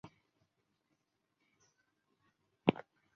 奥努乌岛是一个位于南太平洋美属萨摩亚东南部的小火山岛。